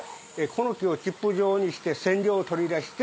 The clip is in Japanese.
この木をチップ状にして染料を取り出して。